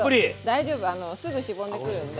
大丈夫すぐしぼんでくるんで。